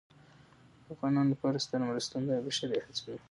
د افغانانو لپاره ستره مرستندویه او بشري هڅه وه.